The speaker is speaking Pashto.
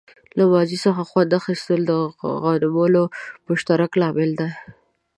له ماضي څخه خوند اخیستل د غنملو مشترک لامل دی.